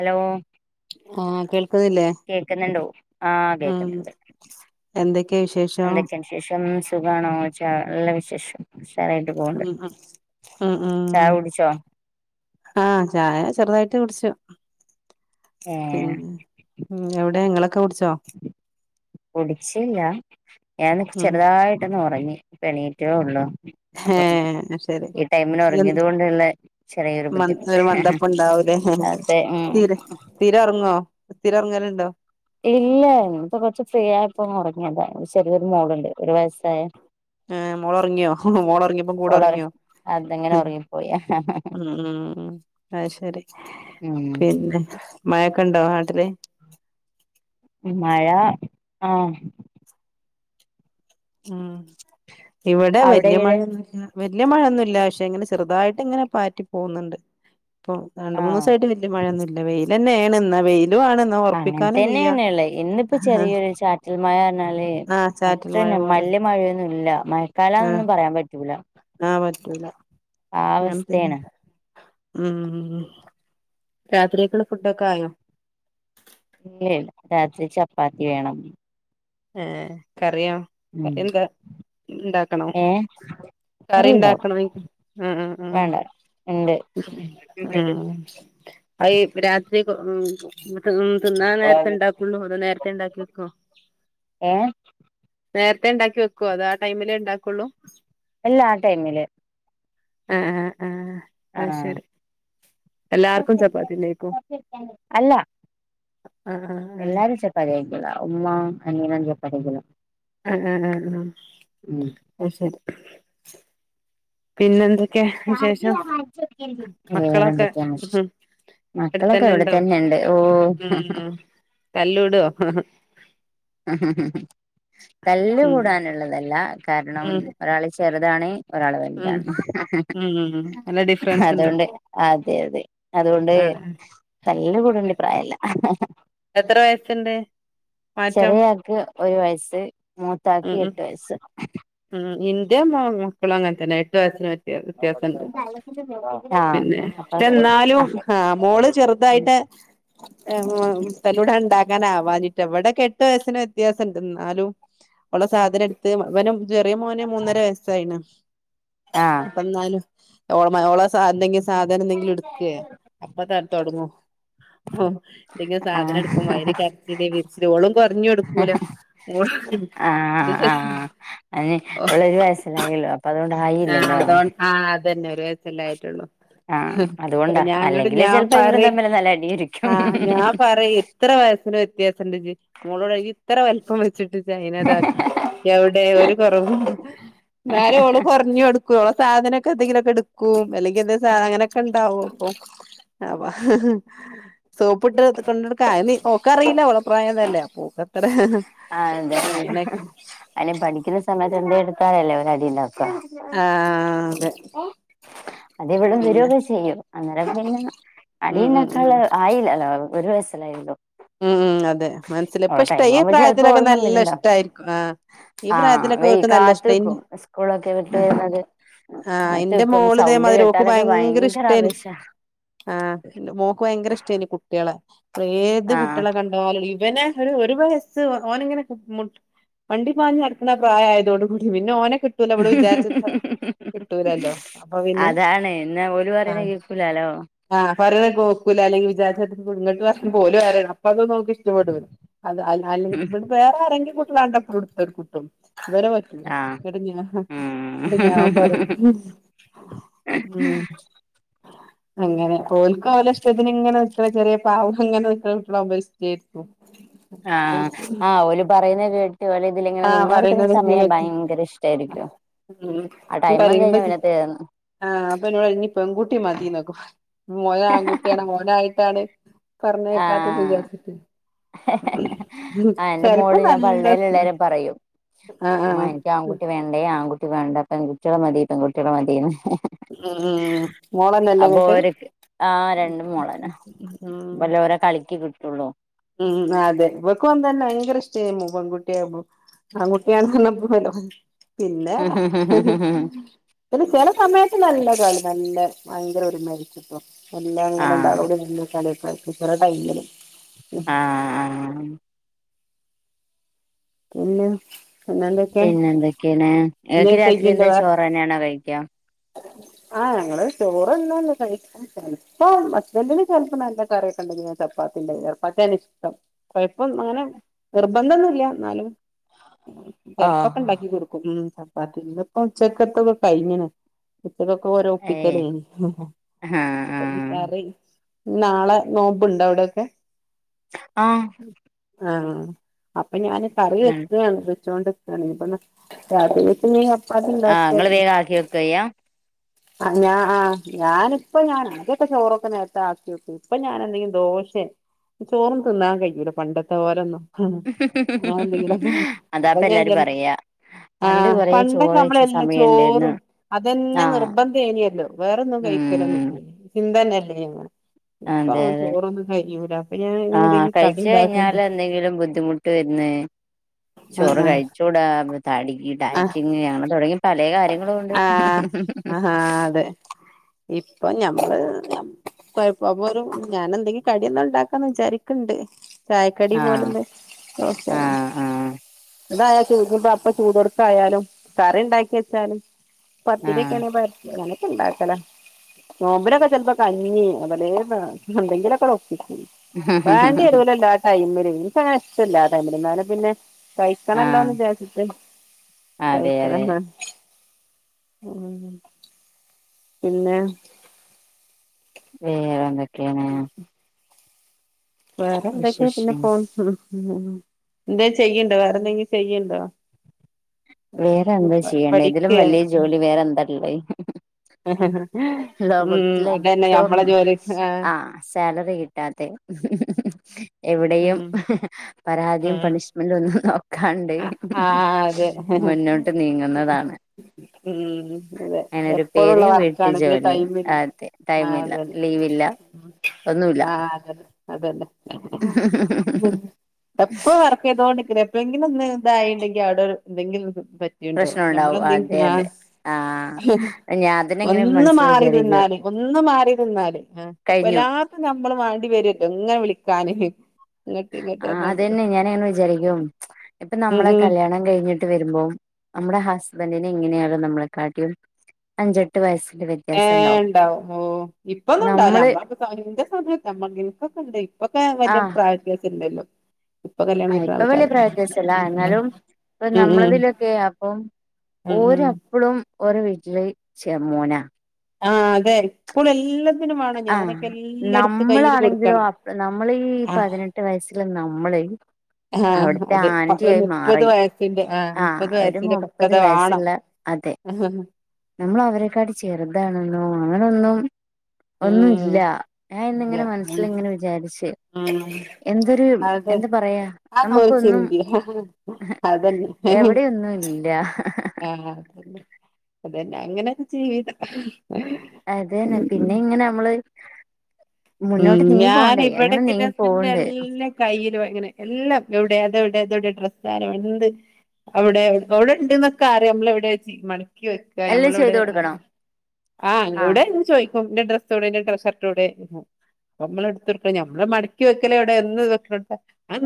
hello ആഹ കേൾക്കുന്നില്ലേ ആഹ ഉം കേക്കുന്നുണ്ട് എന്തൊക്കെയാ വിശേഷം എന്തൊക്കെയന്ു ശേഷം സുഖണോച്ചാ എല്ലാ വിശേഷം ഉഷാറായിട്ട് ഉ പോവ്ണ്ട് ഉ ഉ ചായ ഉ കുടിച്ചോ ആഹ ചായ ചെറുതായിട്ട് ടിച്ചോ ഏഹ് പിന്നെ എവിടെ ങ്ങളൊക്കെ കുടിച്ചോ കുടിച്ചില്ല ഞാൻ ഉം ചെറുതായിട്ടൊന്ന ഉറങ്ങി പണീറ്റേ ഉള്ളു ഹ ശരി ഒറങ്ങിയത് കൊണ്ടുള്ള ചെറിയൊരു ഒരു ബുദ്ധിമുട്ട് മന്തപ്പ ഉണ്ടാവ അതെ അതെ ഉം തീരെ തീരെറങ്ങോ തീര ഇറങ്ങലുണ്ടോ ഇല്ല ഇപ്പൊ കൊറച്ച ഫ്രീ ആയപ്പോ മുറങ്ങിയതാ ചെറിയൊരു മോഡണ്ട് ഒരു വയസ്സായ ആഹ മോള ഇറങ്ങിയോ മോള ഇറങ്ങിയപ്പ കൂടെ ഓള് ഇറങ്ങിയോ അതങ്ങനെ ഒറങ്ങിപ്പോയി ഉ അഹ ശരി ഉം പിന്നെ മയക്കുണ്ടോ നാട്ടില്െ മഴ ആഹ ഉം ഇവിടെ അവിടെ വലയ എങ്ങനെ മഴയൊന്ന വല്യ മഴയൊന്നുമല്ല പക്ഷെ ഇങ്ങനെ ചെറുതായിട്ട് ഇങ്ങനെ പാറ്റി പോകുന്നുണ്ട് ഇപ്പ രണ്ട് മൂന്ന് ആഹ് ദിവസമായിട്ട് വലയ മഴയന്ന ഇല്ല വെയില തന്നെയണ് എന്നാ വെയിൽ അങ്ങനെ തന്നെയന്നെയള്ളേ എിപ്പോ ചെറിയൊരു ചാറ്റിൽ മഴ പറഞ്ഞാല് ആഹ് ചാറ്റൽ മഴ പന്നെ പോലെ മല്ല മഴയൊന്നുംല്ല ആഹ് മഴക്കാലന്നൊന്നും പറയാൻ പറ്റൂല ആഹ് പർത്തില്ല ആ അവസ്ഥയാണ് ഉം രാത്രിയൊക്കുള്ള ഫുഡ ഒക്കെ ആയോ ഇല്ലല്ല രാത്രി ചപ്പാത്തി വേണം ഏർ കറിയോ ഉം കറി എന്താ ഉണ്ടാക്കണോ ഏ കറി കറിയുണ്ടാവും ഉണ്ടാക്കണ ആ ഉ വേണ്ട ഉണ്ട് ആ അ രാ തിന്നാൻ നേരത്തെ ഇണ്ടാക്കുള്ളൂ അതോ നേരത്തെ ഉണ്ടാക്കി വെക്കോ ഏ നേരത്തെ ഉണ്ടാക്കി വെക്കുവോ അത ആ ടൈമിലേ ഉണ്ടാക്കുള്ളൂ അല്ല ആ ടൈമില് ആഹ് ആഹ് ആഹ് ആ അയ്ശരി എല്ലാർക്കും ചപ്പാത്തിന്നേക്കും അല്ല ആഹ് ആഹ് ആഹ് എല്ലാരും ചപ്പാതി കഴിക്കില്ല ഉമ്മ അങ്ങനന്ന ചപ്പാതിിയകില്ല ആ ആ ഉം അ ശരി പിന്നെന്താ ഒക്കെ വിശേഷം മക്കളൊക്കെ വേറെന്തൊക്കെയാണ് മക്കളൊക്കെ എടത്തന്നെ ഇവിടെ ഇണ്ടോ തന്നെണ്ട് ഓ ഉം തല്ലൂടോ തല്ല് ഉം കൂടാനുള്ളതല്ല കാരണം ഉം ഒരാള് ചെറുതാണ് ഒരാള് ഉം വലുതാണ് ഉം ഉം നല്ല ഡിഫറൻസ് ഉണ്ടോ അതുകൊണ്ട് അതെ അതെ അതുകൊണ്ട് ആ തല്ല് കൂടണപ്രായല്ല എന്തേ ചെറിയക്ക് ഒരു വയസ്സ് മൂത്താക്ക് എട്ട് വയസ്സ് ൻ്റെ മക്കളും അങ്ങനെ തന്നെ എട്ട് വയസ്സന് വ്യത്യാസംണ്ട് ആഹ് പിന്നെ അപ്പൊ പക്ഷെ എന്നാലും ആഹ് മോള് ചെറുതായിട്ട് [inaudible] ലൂടെ ഉണ്ടാക്കാനൻ ആവാനിട്ട് എവിടെയൊക്കെ എട്ട് വയസ്സിന് വ്യത്യാസംണ്ട് എന്നാലും ഉള്ള സാധനം എടുത്ത് അവന ചെറിയ മോന മൂന്നര വയസ്സായി ണ് ആഹ് അപ്പ എന്നാലും എ ഓള എന്തെങ്കിലും സാധനം എന്തെങ്കിലും എടുക്കയാ അപ്പൊ തര തുടങ്ങോ ഓ എന്തെങ്കിലും സാധനം ആഹ് എടുക്കുബോ അതിന്ന് കരച്ചില് വിരിച്ച ഓളും കുറഞ്ഞ എടുക്കൂല ഓള്.. ആ ഇത് ആ അ ഉള്ളരു വയസ്സിലായല്ലു അപ്പൊ അതുകൊണ്ട് ആയില്ലല്ലോ അ അതന്നെ ഒരു വയസ്സായിട്ടുള്ളൂ ആഹ് അ അതുകൊണ്ടാ ഞങ്ങോട്ട് അല്ലെങ്കില് ഞാൻ ചെലപ്പോ പറ ഇവരും തമ്മില് നല്ല ആ അടിയായിരിക്കും ഞാൻ പറ എത്ര എത്ര വയസ്സിന് വ്യത്യാസണ്ട് ജ് മോളോട് എത്ര വലിപ്പം വെച്ചിട്ട് ഇജ് അയിനാ ഇതാക്കണം എവിടെ ഒരു കുറവുണ്ട് നാലഓള് കുഞ്ഞ എടുക്കും സാധനൊക്കെ എന്തെങ്കിലുംഒക്കെ എടുക്കും അല്ലെങ്കിൽ എന്തെ എന്തെങ്കിലും സാധനം ഒക്കെ ഉണ്ടാവും സോപ്പിട്ട് കൊണ്ടടുക്ക അയിന് ഓക്ക് അറിയില്ല ഓളെ പ്രായം അതല്ലേ അപ്പോ ഓൾക് ആ അതെന്നെ അല്ല പഠിക്കുന്ന സമയത്ത് എന്തേലും എടുത്താലല്ലേ ഒര് അടിണ്ടാക്കും ആ അതെ അതവിടെും പിന്നെ വരക്കെ ചെയ്യും അന്നേരം പിന്നെ ഉം ഉം ഉം അടിയന്നേക്കാൾ ആയില്ലല്ലോ ഒരുവയസ്സ് ഉം അതെ മനസ്സില് ഇപ്പ അവളെ ഇഷ്ട ടൈം ഈ ആവുമ്പോ ചെലപ്പോ പ്രായത്തിലൊക്കെ അവളും നല്ല തമ്മിലുണ്ടാവും ഇഷ്ടായിരിക്കും ആ.. ഈ ആഹ് പ്രായത്തിലൊക്കെ വേ അവർക്ക് നല്ല ഇഷ്ട കാത്ത്ക്കും സ്കൂളൊക്കെ വിട്ട് വരുന്നത് ആ എന്റെ കാത്ത്ക്കും മോള് സൗണ്ട് അതേമാതിരി ഓക്ക് കേട്ടാലൊക്കെ ഭയങ്കര ഇഷ്ടയിന് ആവേശ ആ മോക്ക് ഭയങ്കര ഇഷ്ടമായിന് കുട്ടികളെ അ ഏത് ആഹ് കുട്ടികളെ കണ്ടാലും ഇവനെ ഒരു ഒരു വയസ്സ് ഓന് ഇങ്ങനെ മുട്ട് മണ്ടി പാഞ്ഞ്നടക്കുന്ന പ്രായമായതോട കൂടി പിന്നെ ഓന കിട്ടൂല ഇബള് വിചാരിച്ച കിട്ടൂലല്ലോ അപ്പൊ പിന്നെ അതാണ് എന്നാ ഓല് ആ പറയുന്ന കേക്കൂലാലോ ആ പറ നോക്കൂല്ല അല്ലെങ്കിൽ വിചാരിച്ചങ്ങോട്ട് ഇങ്ങട് പറയുബോ ഓല് ഇഷ്ടപ്പെടു അത് അല്ലെങ്ക ഇ വേറെ ആരെങ്കിലും കുട്ടികാണ്ട പ്പളും ഇടുത്തടുകും ഇവരെ പറ്റൂല ആഹ് ഇന്നിട്ട് ഞാൻ ഉം പറയും ഉം അങ്ങനെ ഓൽക് ഓല ഇഷ്ടത്തിന് ഇങ്ങനെ നിക്കണ ചെറിയ പാവം അങ്ങനെ നിക്ക്ണ കുട്ടികളാകുമ്പോ ഇഷ്ടായിക്കും ആ ആ ഓല് പറയുന്ന കേട്ട് ഓലതിൽ ഇങ്ങനെ ആഹ് നിന്ന കൊടുക്കുന്ന പറയുന്നത് സമയം കേട്ട് ഭയങ്കര ഇഷ്ടയിരിക്കും ഉം [unintelligible] ആ അപ്പൊ ഇന്നോട് ഇനി പെൺകുട്ടി മതിഓന് ആൺകുട്ടി ഓനായിട്ടാണ് നായിട്ടാണ് പറഞ്ഞേക്കാത്ത് ആഹ് ആഹ് എന്റെ വിചാരിച്ചിട്ട്ചെലപ്പോ മോള് ഞാൻ നല്ല പള്ളേലുള്ളേരെ പറയും ഉമ്മാ ആഹ് എനിക്ക് ആൺകുട്ടി വേണ്ടേ ആൺകുട്ടി വേണ്ട പെൺകുട്ടികളെ മതി പെൺകുട്ടികളെ മതിന്ന് ഉം മോളന്നല്ലേ അപ്പൊ ഇങ്ങട്ട് ഒര്ക്ക് ആ രണ്ട് മോളന്നെ ഉം ബലൊരാ കളിക്ക് കിട്ടുള്ളൂ ഉം അതെ ഇവൊക്കും തന്നെ ഭയങ്കര ഇഷ്ടയിനു പെൺകുട്ടിയ്മ്പോ ആൺകുട്ടി ന്ന് പറഞ്ഞപ്പോ [unintelligible] പിന്നെ ആഹ് പിന്നെ ചില സമയത്ത് നല്ലത നല്ലെ ഭയങ്കര ഒരുമയിരിക്കും ഇപ്പം മെല്ലെ അങ്ങനെ രണ്ടാളും ആഹ് കൂടി [unintelligible] ടൈമിലും ആഹ് ആഹ് പിന്നെ പിന്നെ എന്തൊക്കെയാ പിന്നെ എന്തൊക്കെയാണ് പിന്നെ ഇങ്ങക്ക് രാത്രി എന്താ ചോറ്നെയ ആണോ കഴിക്കാ [unintelligible] ആ ഞങ്ങള് ചോറ്ന്നുംല്ല കഴിക്ക ചിലപ്പോ ഹസ്ബൻഡിന് ചിലപ്പോ നല്ല കറിയൊക്കെ ഇണ്ടകിൽ ചപ്പാത്തി ചപ്പാത്തിയാണ്ഇഷ്ടം കൊഴപ്പം അങ്ങനെ നിർബന്ധം ഒന്നുല്ല ന്നാലും ചിലപ്പൊക്കെ ആഹ് ഉണ്ടാക്കി കൊടുക്കും ചപ്പാത്തി ഇപ്പ ഉച്ചക്കത്തൊക്കെ കഴിഞ്ഞണ് ഉച്ചക്ക്ഒക്കെ ഓരോ ഏഹ് ഒപ്പിക്കലായിന് ആഹ് ആഹ് കറി നാളെ നോമ്പ്ണ്ടഅവിടെക്കെ ആഹ് ആഹ് അപ്പൊ ഞാൻ കറി ആഹ് വെക്കാണ് വച്ചൊണ്ട്ക്കുകയാണ് ഇപ്പ രാത്രികക്ക് ചപ്പാത്തിണ്ടാക്കിയ ഇങ്ങള് മതി വേഗം ആക്കി വെക്കയ്യാ ആ ഞാ ആ ഞാനിപ്പ ആദ്യക്കെ ചോറൊക്കെ നേരത്തെ ആക്കിക്കും ഇപ്പൊ ഞാൻ എന്തെങ്കിലും ദോഷ പക്ഷെ ചോറ് തിന്നാൻ കഴിയൂല പണ്ടത്തെപ്പോലൊന്നും വേറെന്തെങ്കിലും അപ്പ അതാപ്പ എല്ലാരും ഞാൻ പറയാ പണ്ട് ആഹ് കൊറേ പണ്ടൊക്കെ ചോറ് വെച്ച നമ്മളെല്ലാം സമയണ്ടേന്ന് ചോറും അതന്നെ നിർ ആഹ് ബന്ധനിയാലോ വേറൊന്നും ഉം കഴിക്കലൊന്നുമില്ലേനി ചിന്തന്നല്ലേനിയോ അതെ അതെ ഞാൻ ആഹ് എന്തെങ്കിലും കടി കഴിച്ച് ഇണ്ടാക്കാണ്ട് കഴിഞ്ഞാല് എന്തെങ്കിലും ബുദ്ധിമുട്ട് വരു ന്നേ ചോറ് ആഹ് കഴിച്ച് കൂടാ ഡയറ്റിംഗ് അങ്ങനെ തുടങ്ങി പ ആഹ് ആഹ് അതെ ഇപ്പൊ ഞമ്മള് കുഴപ്പം അപ്പൊ ഒരു ഞാൻ എന്തെങ്കിലും കടിയൊന്ന് ഉണ്ടാക്കാന്ന് വിചാരിക്കണ്ട് ചായക്കടി ആഹ് പോലൊന്ന് ദോശയൊ ആഹ് ആഹ് ഇതായാ ചൂ അപ്പ ചൂട് കൊടുക്കായാലും കറി ഉണ്ടാക്കി വെച്ചാലും പത്തിരി ഒക്കെ ആഹ് ആണെ പരത്തി ഉണ്ടാക്കല നോമ്പിനൊക്കെ ചെലപ്പോ കഞ്ഞി പലേ എന്തേങ്കിലൊക്കെ അങ്ങട്ട് ഒപ്പിക്കും വേണ്ടിവരൂല്ലല്ലോ ആ ടൈമില് എനിക്ക് അങ്ങനെ ഇഷ്ടമില്ല ആ ടൈമില് എന്നാലും പിന്നെ ആഹ് കഴിക്കണല്ലോന്ന് വിചാരിച്ചിട്ട് അതെ അതെ കഴിക്കണതാ ഉം പിന്നെ വേറെ എന്തൊക്കെയാണ് വേറെ എന്തൊക്കെയ ഇങ്ങനെ വിശേഷം പോണ് എന്തേലും ചെയ്യണ്ടോ വേറെ എന്തെങ്കിലും ചെയ്യണ്ടോ വേറെ എന്താ ചെയ്യണ്ടത് ഇതിലും പഠിക്കേ വലിയ ജോലി വേറെ എന്താ ഉള്ളത് [unintelligible] ഉം ലോകത്തിൽ അതന്നെ ഏറ്റവും ഞമ്മളെ ജോലി ആ സാലറി കിട്ടാത്തെ എവിടെയും ഉം പരാതിയും ഉം പണിഷ്മെന്റ് ഒന്നും നോ ക്കാണ്ട് ആ അതെ മുന്നോട്ട് നീങ്ങുന്നതാണ് ഉം അതെ അതിനൊരു എപ്പോഴും പേര് ഉള്ള വീട്ടു വർക്കാണെങ്കിലും ജോലി ടൈമില്ല അതെ ആ ടൈമില്ല അതെ അതെ ലീവില്ല ഒന്നുമില്ല ആ അത് തന്നെ അത് തന്നെ എപ്പോ വർക്ക് ചെയ്തോണ്ടിരിക്കണ് ഇതൊന്ന് ഇതായിണ്ടെങ്കിൽ അവിടെ എന്തെങ്കിലും ഒരു പറ്റിണ്ടോ പ്രശ്നം ഉണ്ടാവും അതെ നമ്മളെന്തേലും ആ അതെ ആഹ് ഞാൻ അതിനെങ്ങനെ ഒന്ന് മനസ്സിൽ മാറി വിചാരിക്കും നിന്നാൽ ഒന്ന് മാറി നിന്നാല് അപ്പൊ കഴിഞ്ഞു എല്ലാത്തും നമ്മള് വേണ്ടി വരൂല്ലോ എങ്ങനെ വിളിക്കാന് ഇങ്ങട്ട് ഇങ്ങട്ട് ആ പറഞ്ഞാണ്ട് അതന്നെ ഞാൻ അങ്ങനെ വിചാരിക്കും ഇപ്പൊ ഉം നമ്മളെ ഉം കല്യാണം കഴിഞ്ഞി ട്ട് വരുമ്പോ നമ്മടെ ഹസ്ബൻഡിന് എങ്ങനെയായാലും നമ്മളെ കാട്ടിലും അഞ്ചെട്ട് വയസ്സ് ഏ ഉണ്ടാവും ഓ ഇപ്പൊന്നും ഉണ്ടാവില്ല നമ്മള് നമ്മടൊക്കെ സമയത്ത് എന്റെ സമയത്ത് നിങ്ങക്കൊക്കെ ഉണ്ടായിനി ഇപ്പൊക്കെ വല്യ പ്രായ വിത്യാസം ഇല്ലല്ലോ ഇപ്പൊ കല്യാണം ആ കഴിക്ക്ണ ഇപ്പൊ ആൾക്കാര വലിയ ഉം പ്രായവിത്യാസം ഇല്ല ഉം എന്നാലും ഇപ്പ ഉം ഉം നമ്മളതിലൊക്കെ അപ്പം ഉം ഉം ഓരപ്പഴും ഒരു വീട്ടില് ചേർമോനാ ആഹ അതെ ഇപ്പോഴ എല്ലാത്തിനും വേണം ആഹ് ഞാനൊക്കെ എല്ലടത്തും കയ്യിൽ കൊടുക്കണം ആ പതിനെട്ടു വയസ്സില് നമ്മള ആ അവിടുത്തെ അതെ പ- ആന്ററി ഒരു ആായി മുപ്പത് മാറി വയസ്സിന്റെ ആ മുപ്പത് ഒരു വയസ്സിന്റെ മുപ്പത് പക്വത വാണം വയസ്സുള്ള അതെ നമ്മൾ അവരെക്കാട്ടി ചെറുതാണെന്നോ അങ്ങനൊന്നും ഒന്നുമല്ല ഉം ഞാൻ ഇല്ല ഇന്നിങ്ങനെ മനസ്സിൽ ഉം ഇങ്ങനെ വിചാരിച്ച് ഉം എന്തൊരു അതെ എന്താ പറയാ അതൊന്നൊരു നമുക്കൊന്നും ചിന്തിയ അതന്നെ എവിടെൊന്നും ഇല്ല ആഹ് അതന്നെ അതന്നെ അങ്ങനെ ഒരു ജീവിതം അതന്നെ പിന്നെ ഇങ്ങനെ നമ്മള് ഉ മുന്നോട്ട് നീങ്ങി ഞാന പോണ്ടേ അങ്ങനെ നീങ്ങി ഇവിടക്കെന്റെഹസ്ബൻന്റെ പോവണ്ട് എല്ലാംകൈലും അങ്ങനെ എല്ലാം ഇവിടെ വിടെ തവിടെ ഡ്രസ്സ് താരം എന്ത് അവിടെ അവിടെ ഉണ്ട്ന്നൊക്കെ അറിയാം നമ്മള എവിടെ്യ ക്ക എല്ലാം നമ്മള ചെയ്ത് ഇവിടെ കൊടുക്കണം ആ ആഹ് എവിടെ ചോ ഇപ്പംന്റെ ഡ്രസ്സോടെ ന്റെഷർട്ടോടെ നമ്മള എടുത്ത്ടുക്ക നമ്മള് മടക്കി വെക്കലേ എവിടെ എന്ന് വെക്കനോട്തന്നെ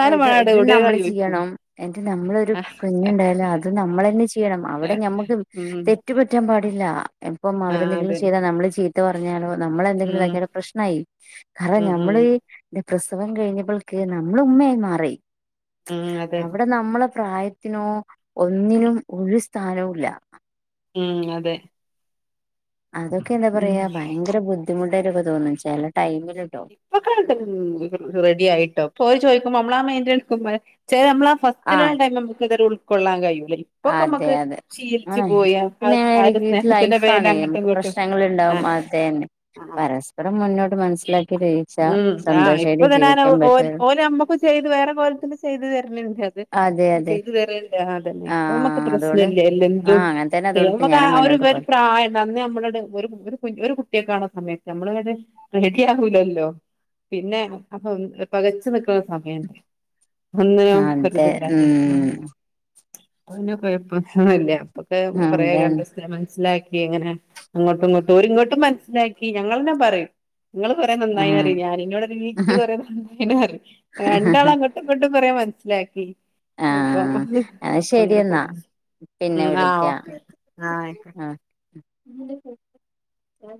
അല്ല ഇത് ഇത് നമ്മള് ചെയ്യണം എന്ന് നമ്മളൊരു കുഞ്ഞുണ്ടായാല അത് നമ്മൾ തന്നെ ചെയ്യണം അവിടെ നമ്മുക്ക് ഉം തെറ്റു പറ്റാൻ പാടില്ല ഇപ്പം ആ അവരെന്തെങ്കിലും അതെ ചെയ്താൽ നമ്മള് ചീത്ത പറഞ്ഞാലോ നമ്മള് എന്തെങ്കിലും ഉം ഇതാക്കി പ്രശ്നായി കാരണം ഉം ഉം ഞമ്മള് ഈ പ്രസവം കഴിഞ്ഞപ്പ്‌ള്ക്ക് ന മ്മള് ഉമ്മയായി മാറി ഉം അതെ അവ്ടെ നമ്മള് പ്രായത്തിനോ ഒന്നിനും ഒരു സ്ഥാനവുംല്ല ഉം അതെ അതൊക്കെ എന്താ ഉം പറയാ ഭയങ്കര ബുദ്ധിമുട്ടായിട്ടൊക്കെ തോന്നും ച്ചാല് ഇപ്പൊ കേൾക്ക്ണ് ണ്ട് റെഡി ആയിട്ടോ പോയി ചോയിക്കുമ്പോ ഞമ്മളാ മൈന്റ് എടുക്കുമ്പം തെരെ നമ്മളാ ആ ഫസ്റ്റിലെ ആഹ് ടൈം നമുക്ക്‌ ഇത് വരെ ഉൾകൊള്ളൻ കഴിയൊ അതെ ഇപ്പൊക്കെമ്മക്ക് അതെ ശീലിച്ചു ആണ് പോയി ആ പിന്നെ ഒര് ഇത് സ്നേഹത്തിന്റെ പേരില് ലൈഫാണ് അങ്ങട്ടും നമുക്ക് ഇങ്ങട്ടും പ്രശ്നങ്ങൾ ഉണ്ടാവും അതന്നെ പരസ്പരം മുന്നോട്ട് മനസ്സിലാക്കി ചെ ഉം ആ ഇപ്പൊ തന്നെനാന് ഓ ഓല് ഞമ്മക്കു ചെയ്ത് വേറെ കോലത്തില് ചെയ്തു തര്ണ് ണ്ട് അത് അതെ ആ അതെ ചെയ്തു തരേണ്ടേ അതന്നെ ഇപ്പൊ മ്മക്ക് ആഹ് അതുകൊണ്ട് പ്രശ്നല്ല ലെന്തും ആഹ് അങ്ങനെ തന്നെ അതുകൊണ്ട് ഇപ്പ ഞമ്മക്കാ ഞാനും ഒരു മുന്നോട്ട് ഒര് പോണ് പ്രായംണ്ട് അന്ന് ഞമ്മള്ടെ ഒരു ഒരു കു കുട്ടിയൊക്കെ ണ സമയത്ത് ഞമ്മള്ടെ റി ക്കിയാവുലല്ലോ പിന്നെ അപ്പൊ പകച്ച് നിക്ക്‌ണ ഒര് സമയ്ണ്ട് ഒന്നിനും ഒരിതില്ലാതെ ഉം പ്പ പിന്നെ കൊയപ്പഒന്നുല്ല അപ്പൊക്കെ കൊറെ ആയിക്കാണ്ട് അതന്നെ സ്തിരം മനസ്സിലാ ങ്ങനെ അങ്ങോട്ടും ഇങ്ങോട്ടും ഒരിങ്ങോട്ടും മനസ്സിലാക്കി ഞങ്ങളന്നെ പറയും ഇങ്ങള് കൊറെ നന്നായി റയും ആഹ് ഞാന് ഇന്നോട് റയും ജ് കൊറെ നന്നായിണ്ണ് അറയും രണ്ടാളും അങ്ങട്ടുംഇങ്ങട്ടും പ്പ കൊറെ മനസിലാക്കി അപ്പ ആഹ് അത് അപ്പ ശരി അങ്ങനെ എന്നാ പോണ് പിന്നെ ഉം ആഹ് വിളിക്കാം ഓക്കെ ആഹ് ആയിക്കോട്ടെ ഉം ചായ കു